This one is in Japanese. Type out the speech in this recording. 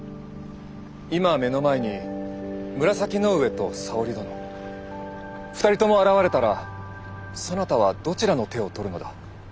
今目の前に紫の上と沙織殿２人とも現れたらそなたはどちらの手を取るのだ。